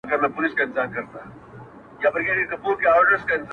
سپوږمۍ ته گوره زه پر بام ولاړه يمه،